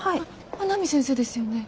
阿南先生ですよね？